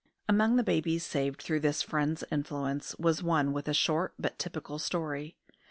Among the babies saved through this friend's influence was one with a short but typical story.